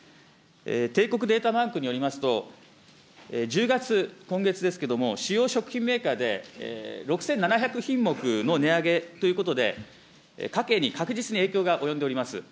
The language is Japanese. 帝国データバンクによりますと、１０月、今月ですけれども、主要食品メーカーで、６７００品目の値上げということで、家計に確実に影響が及んでおります。